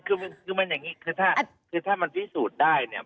คือมันอย่างนี้คือถ้าคือถ้ามันพิสูจน์ได้เนี่ย